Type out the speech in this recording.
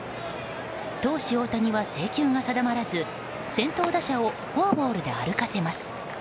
投手・大谷は制球が定まらず先頭打者をフォアボールで歩かせます。